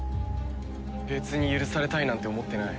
別に許されたいなんて思ってない。